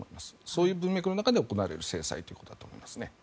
そういう文脈の中で行われる制裁だということです。